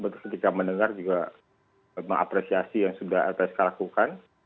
terus ketika mendengar juga mengapresiasi yang sudah lpsk lakukan